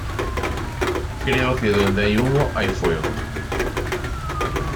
Creo que donde hay humo hay fuego".